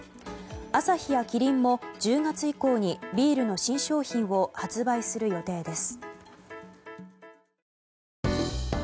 アサヒやキリンも、１０月以降にビールの新商品を発売する予定です。